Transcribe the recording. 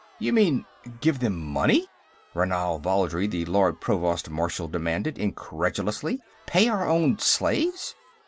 "You mean, give them money?" Ranal Valdry, the Lord Provost Marshal demanded, incredulously. "Pay our own slaves?"